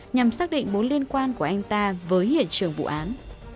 nhằm xác định mối liên quan của anh ta với hiện trường vụ án